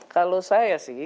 kalau saya sih